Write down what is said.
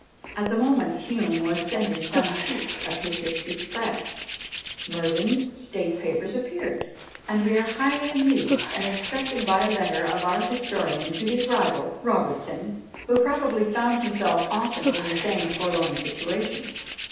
At the moment Hume was sending some sheets of his history to press, Murdin's State Papers appeared. And we are highly amused and instructed by a letter of our historian to his rival, Robertson, who probably found himself often in the same forlorn situation.